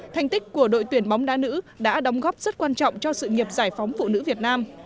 thành tích của đội tuyển bóng đá nữ đã đóng góp rất quan trọng cho sự nghiệp giải phóng phụ nữ việt nam